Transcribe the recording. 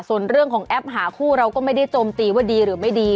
ส่วนเรื่องของแอปหาคู่เราก็ไม่ได้โจมตีว่าดีหรือไม่ดี